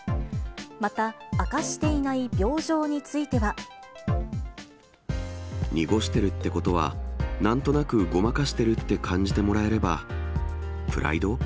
また明かしていない病状については。濁してるってことは、なんとなくごまかしてるって感じてもらえれば、プライド？